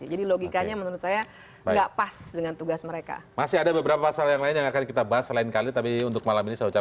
jika tak berlaku kepada anggota dpr saja